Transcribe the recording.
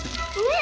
ah si papa ini